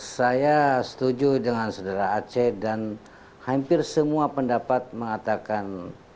saya setuju dengan saudara aceh dan hampir semua pendapat mengatakan